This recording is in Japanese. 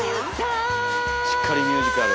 しっかりミュージカル。